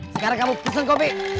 sekarang kamu kesan kopi